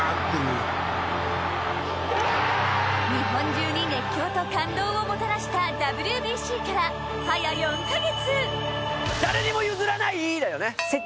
日本中に熱狂と感動をもたらしたＷＢＣから早４カ月。